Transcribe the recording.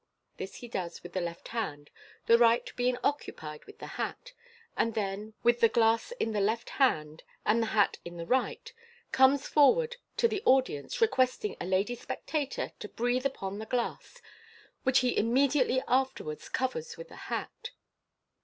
This he does with the left hand, the right being occupied with the hat, and prG then, with the glass in the left hand and the hat in the right, comes forward to the audience, requesting a lady spectator to breathe upon the glass, which he immediately after wards covers with the hat.